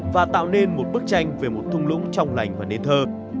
và tạo nên một bức tranh về một thung lũng trong lành và nên thơ